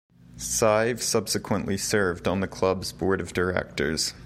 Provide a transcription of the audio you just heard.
Sive subsequently served on the Club's Board of Directors.